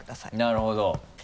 なるほど。